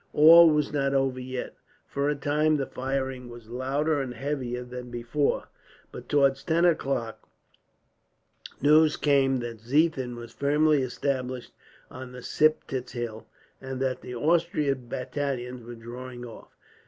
All was not over yet. For a time the firing was louder and heavier than before, but towards ten o'clock news came that Ziethen was firmly established on the Siptitz hill, and that the Austrian battalions were drawing off.